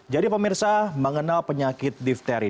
jadi pemirsa mengenal penyakit dipteri